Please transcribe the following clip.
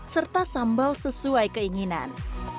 serta sambal sesuai keinginan